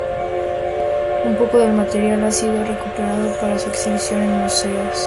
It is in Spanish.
Un poco del material ha sido recuperado para su exhibición en museos.